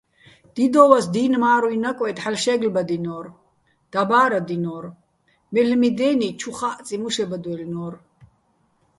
დიდო́ვას დი́ნ მა́რუჲჼ ნაკვეთ ჰ̦ალო̆ შე́გლბადჲნო́რ, დაბა́რადჲინო́რ, მელ'მი დენი ჩუ ხაჸწიჼ მუშებადვაჲლნო́რ.